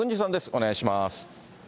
お願いします。